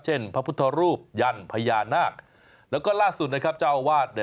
พระพุทธรูปยันพญานาคแล้วก็ล่าสุดนะครับเจ้าอาวาส